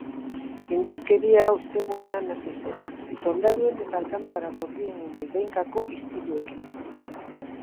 Indarkeria ostegunean hasi zen, soldaduen eta alkandora gorrien noizbehinkako istiluekin.